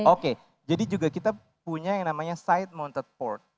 oke jadi juga kita punya yang namanya side mounted port